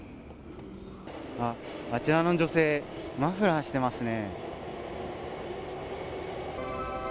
あちらの女性マフラーしてますね。